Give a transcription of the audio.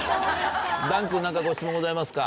檀君何かご質問ございますか？